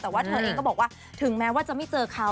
แต่ว่าเธอเองก็บอกว่าถึงแม้ว่าจะไม่เจอเขา